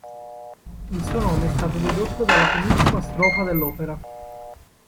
Il suo nome è stato dedotto dalla penultima strofa dell'opera.